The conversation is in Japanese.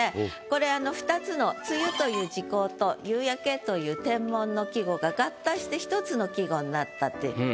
これ２つの梅雨という時候と夕焼けという天文の季語が合体して１つの季語になったっていう。